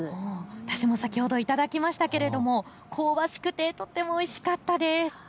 私も先ほど頂きましたけれども香ばしくてとってもおいしかったです。